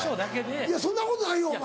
そんなことないよお前！